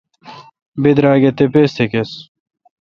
بدرآگ اے° تپیس تھہ گؙس۔